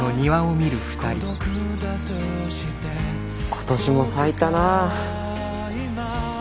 今年も咲いたな。